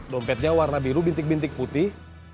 dompetnya warna biru bintik bintik putih